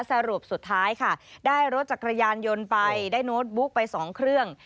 สรุปสุดท้ายค่ะได้รถจักรยานยนต์ไปได้โน้ตบุ๊กไป๒เครื่อง